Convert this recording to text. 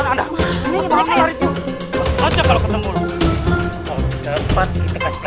aduh saya tuh maunya sama ustaz jah